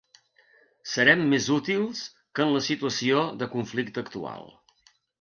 Serem més útils que en la situació de conflicte actual.